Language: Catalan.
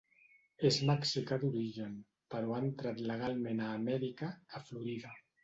És mexicà d'origen però ha entrat legalment a Amèrica, a Florida.